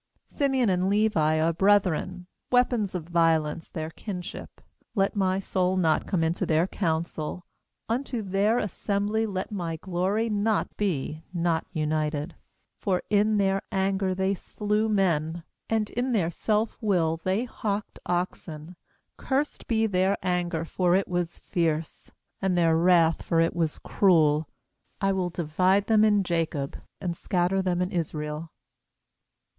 5Simeon and Levi are brethren; Weapons of violence their kinship. 6Let my soul not come into their council; Unto their assembly let my glory not be united; 49.6 GENESIS For in their anger they slew men, And in their self will they houghed oxen. 7Cursed be their anger, for it was fierce, And their wrath, for it was cruel; I will divide them in Jacob, And scatter them in Israel.